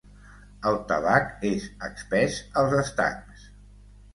El tabac és expès als estancs.